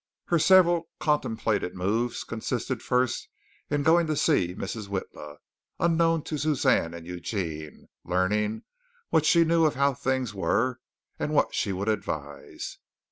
Her several contemplated moves consisted first, in going to see Mrs. Witla, unknown to Suzanne and Eugene, learning what she knew of how things were and what she would advise.